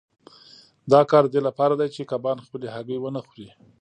دا کار د دې لپاره دی چې کبان خپلې هګۍ ونه خوري.